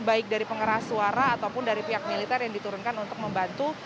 baik dari pengeras suara ataupun dari pihak militer yang diturunkan untuk membantu